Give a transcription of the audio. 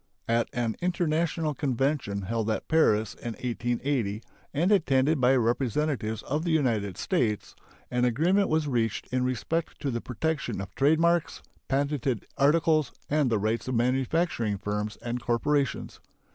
At an international convention held at Paris in 1880, and attended by representatives of the United States, an agreement was reached in respect to the protection of trade marks, patented articles, and the rights of manufacturing firms and corporations.